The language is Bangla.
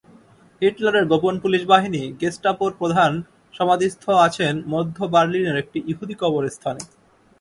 হিটলারের গোপন পুলিশ বাহিনী গেস্টাপোর প্রধান সমাধিস্থ আছেন মধ্য বার্লিনের একটি ইহুদি কবরস্থানে।